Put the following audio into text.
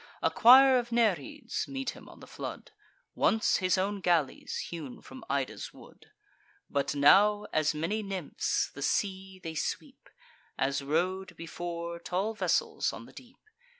A choir of Nereids meet him on the flood, Once his own galleys, hewn from Ida's wood; But now, as many nymphs, the sea they sweep, As rode, before, tall vessels on the deep.